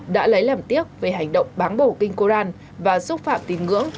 đã lấy làm tiếc về hành động bán bổ kinh koran và xúc phạm tín ngưỡng